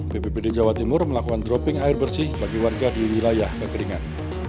bpbd jawa timur melakukan dropping air bersih bagi warga di wilayah kekeringan